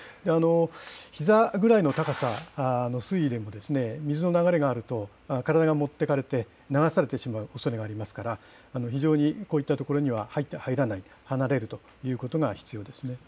ひざぐらいの高さの水位でも、水の流れがあると体が持っていかれて流されてしまうおそれがありますから、非常にこういった所には入らない、離れるということが必要ですね。